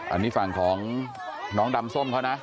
อันนี้ฝั่งของน้องดำส้มเขานะ